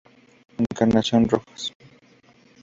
Encarnación Rojas.